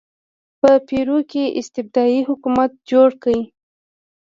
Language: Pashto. په پیرو کې استبدادي حکومت جوړ کړ.